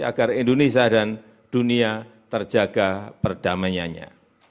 agar indonesia dan dunia terjaga perdamaiannya